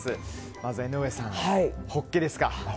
まずは江上さん、ホッケですか。